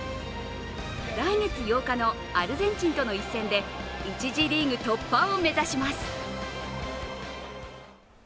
来月８日のアルゼンチンとの一戦で１次リーグ突破を目指します。